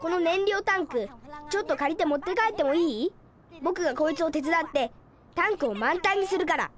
ぼくがこいつを手つだってタンクをまんたんにするから。